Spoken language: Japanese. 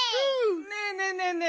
ねえねえねえねえ